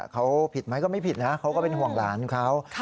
เขาผิดไหมก็ไม่ผิดนะเขาก็เป็นห่วงหลานเขา